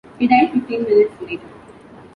He died fifteen minutes later.